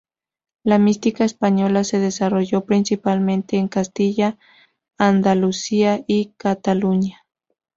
La mística española se desarrolló principalmente en Castilla, Andalucía y Cataluña.